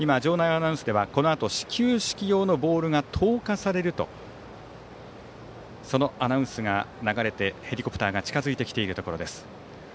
アナウンスではこのあと始球式用のボールが投下されるとそのアナウンスが流れてヘリコプターが近づいてきているところです。